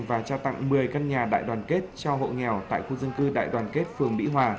và trao tặng một mươi căn nhà đại đoàn kết cho hộ nghèo tại khu dân cư đại đoàn kết phường mỹ hòa